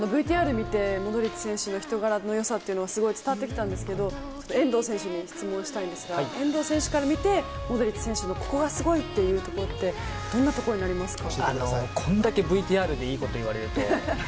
ＶＴＲを見てモドリッチ選手の人柄の良さというのはすごく伝わってきたんですけどちょっと遠藤選手に質問したいんですが遠藤選手から見てモドリッチ選手のここがすごいというところってこれだけＶＴＲでいいこと言われると。